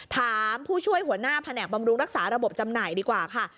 ถามผู้ช่วยหัวหน้าแผนกบำรุงรักษาระบบจำหน่ายดีกว่าค่ะ